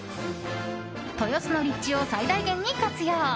豊洲の立地を最大限に活用。